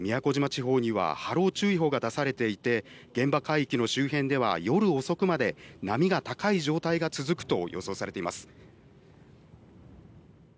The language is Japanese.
宮古島地方には波浪注意報が出されていて現場海域の周辺では夜遅くまで波が高い状態が続くと予想されています。